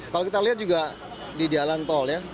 kalau kita lihat juga di jalan tol ya